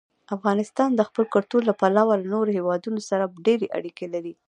افغانستان د خپل کلتور له پلوه له نورو هېوادونو سره ډېرې اړیکې لري.